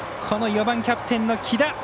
この４番キャプテンの来田。